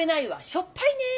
しょっぱいね。